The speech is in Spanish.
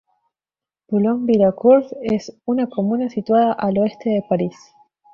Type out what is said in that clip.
Boulogne-Billancourt es una comuna situada al oeste de París.